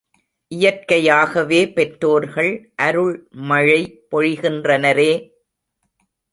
இயற்கையாகவே பெற்றோர்கள் அருள் மழை பொழிகின்றனரே!